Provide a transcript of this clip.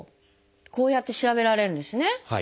こうやって調べられるんですね。